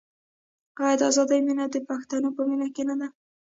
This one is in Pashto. آیا د ازادۍ مینه د پښتون په وینه کې نه ده؟